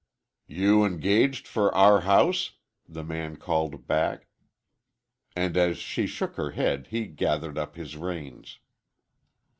"You engaged for our house?" the man called back, and as she shook her head, he gathered up his reins.